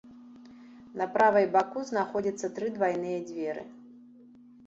На правай баку знаходзіцца тры двайныя дзверы.